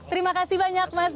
terima kasih banyak mas